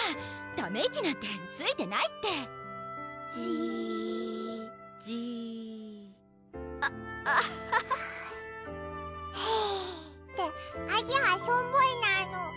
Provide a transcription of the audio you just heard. ため息なんてついてないってじじアッアハハはぁってあげはしょんぼりなの！